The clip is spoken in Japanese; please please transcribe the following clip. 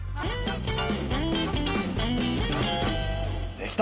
できた！